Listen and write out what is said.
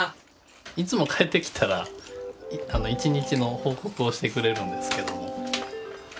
いつも帰ってきたら一日の報告をしてくれるんですけども。